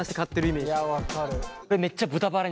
いや分かる。